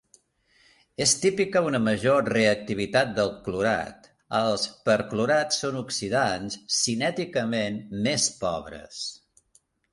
És típica una major reactivitat del clorat; els perclorats són oxidants cinèticament més pobres.